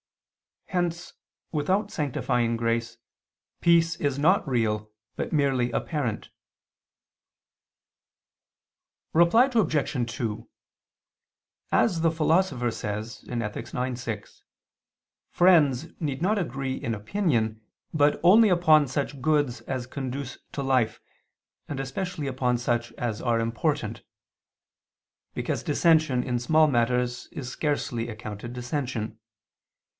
Hence, without sanctifying grace, peace is not real but merely apparentapparent. Reply Obj. 2: As the Philosopher says (Ethic. ix, 6) friends need not agree in opinion, but only upon such goods as conduce to life, and especially upon such as are important; because dissension in small matters is scarcely accounted dissension.